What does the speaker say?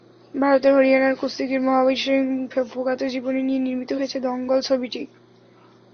ভারতের হরিয়ানার কুস্তিগির মহাবীর সিং ফোগাতের জীবনী নিয়ে নির্মিত হয়েছে দঙ্গল ছবিটি।